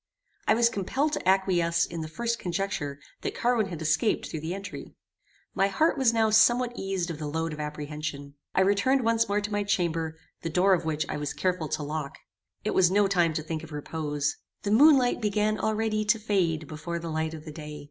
I was compelled to acquiesce in the first conjecture that Carwin had escaped through the entry. My heart was now somewhat eased of the load of apprehension. I returned once more to my chamber, the door of which I was careful to lock. It was no time to think of repose. The moon light began already to fade before the light of the day.